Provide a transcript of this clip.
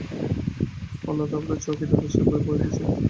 অন্নদাবাবু চৌকিতে বসিয়া বই পড়িতেছিলেন।